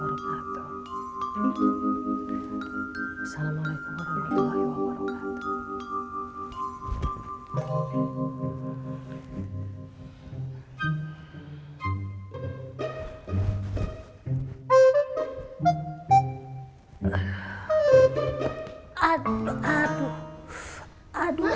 assalamualaikum warahmatullahi wabarakatuh